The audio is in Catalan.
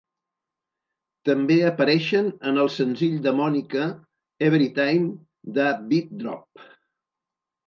També apareixen en el senzill de Monica "Everytime tha Beat Drop".